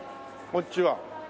こんちは。